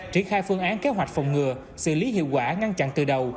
triển khai phương án kế hoạch phòng ngừa xử lý hiệu quả ngăn chặn từ đầu